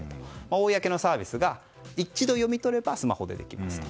公のサービスが一度読み取ればスマホでできると。